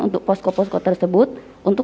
untuk posko posko tersebut untuk